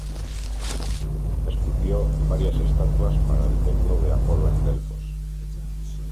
Esculpió varias estatuas para el templo de Apolo en Delfos.